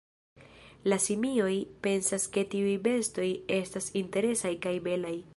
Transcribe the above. La simioj pensas ke tiuj bestoj estas interesaj kaj belaj.